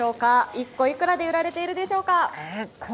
１個いくらで売られているでしょうか？